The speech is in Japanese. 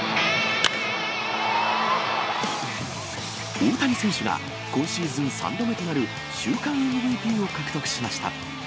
大谷選手が、今シーズン３度目となる週間ＭＶＰを獲得しました。